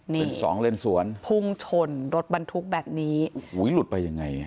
เป็นสองเลนสวนพุ่งชนรถบรรทุกแบบนี้หุ้ยหลุดไปยังไง